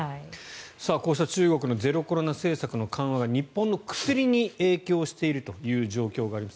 こうした中国のゼロコロナ政策の緩和が日本の薬に影響しているという状況があります。